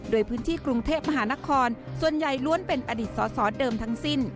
โดยพื้นที่กรุงเทพมหานครส่วนใหญ่ล้วนเป็นอดีตสอสอเดิมทั้งสิ้น